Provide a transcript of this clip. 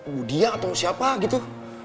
budi atau siapa gitu